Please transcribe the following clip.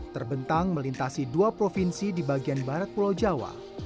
terbentang melintasi dua provinsi di bagian barat pulau jawa